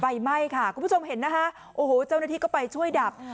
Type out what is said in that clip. ไฟไหม้ค่ะคุณผู้ชมเห็นนะคะโอ้โหเจ้าหน้าที่ก็ไปช่วยดับ